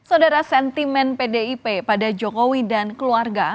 saudara sentimen pdip pada jokowi dan keluarga